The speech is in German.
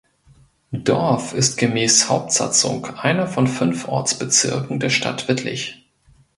Dorf ist gemäß Hauptsatzung einer von fünf Ortsbezirken der Stadt Wittlich.